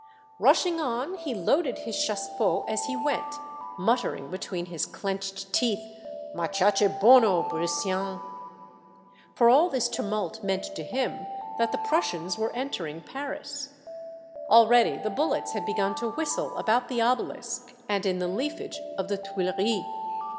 Rushing on, he loaded his chassepot as he went, muttering between his clenched teeth, " Machache bono, Brissien ;" for all this tumult meant to him that the Prussians were entering Paris. Already the bullets had be gun to whistle about the Obelisk and in the leaf age of the Tuileries.